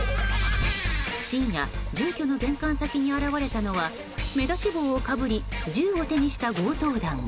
深夜、住居の玄関先に現れたのは目出し帽をかぶり銃を手にした強盗団。